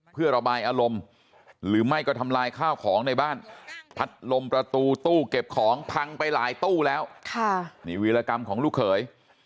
เพื่อระบายอารมณ์หรือไม่ก็ทำลายข้าวของในบ้านพัดลมประตูตู้เก็บของพังไปหลายตู้แล้วนี่วิรกรรมของลูกเขย